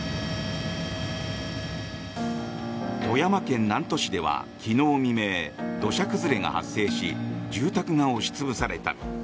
富山県南砺市では昨日未明土砂崩れが発生し住宅が押し潰された。